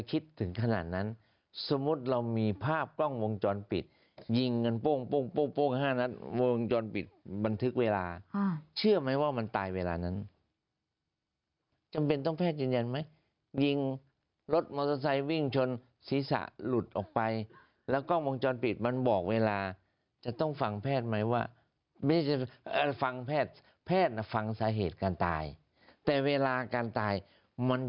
คือเขาก็เคยส่งหลายครั้งต้องเข้าใจสภาพก่อน